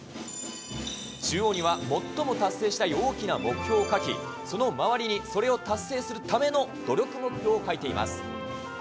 中央には最も達成したい大きな目標を書き、その周りにそれを達成するための努力目標を書いています。